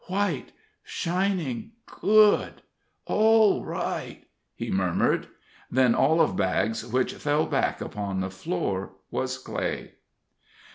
"White shining good all right," he murmured. Then all of Baggs which fell back upon the floor was clay.